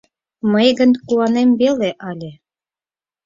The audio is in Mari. Мый гын куанем веле ыле.